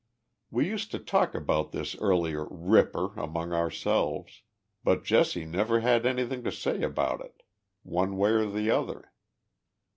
We used to talk about this earlier 4 Ripper ' among ourselves, but Jesse never had anything to say about it, one way or the other.